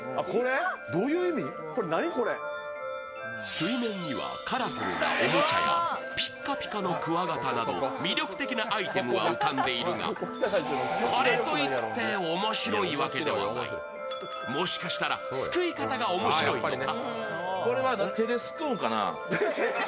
水面にはカラフルなおもちゃやぴっかぴかのクワガタなど魅力的なアイテムは浮かんでるがこれといって、面白いわけではないもしかしたらすくい方が面白いのか？